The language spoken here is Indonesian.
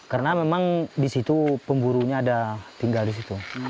karena memang di situ pemburu ada tinggal di situ